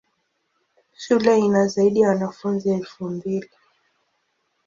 Shule ina zaidi ya wanafunzi elfu mbili.